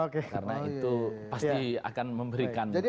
karena itu pasti akan memberikan leverage